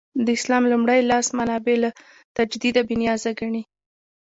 د اسلام لومړي لاس منابع له تجدیده بې نیازه ګڼي.